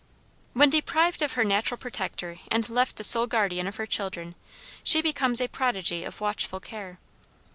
When deprived of her natural protector and left the sole guardian of her children she becomes a prodigy of watchful care.